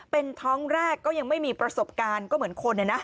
เป็นท้องแรกก็ยังไม่มีประสบการณ์ก็เหมือนคน